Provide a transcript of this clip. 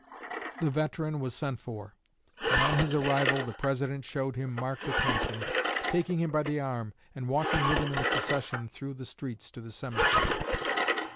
The veteran was sent for; and on his arrival the President showed him marked attention, taking him by the arm and walking with him in the procession through the streets to the cemetery.